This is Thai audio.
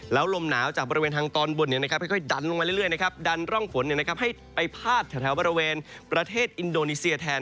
แล้วลมหนาวจากบริเวณทางตอนบนค่อยดันลงมาเรื่อยดันร่องฝนให้ไปพาดแถวบริเวณประเทศอินโดนีเซียแทน